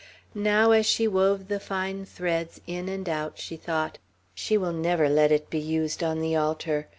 Now, as she wove the fine threads in and out, she thought: "She will never let it be used on the altar.